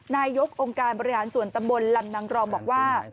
นายกองค์การบริหารส่วนตำบลลำนางรองบอกว่า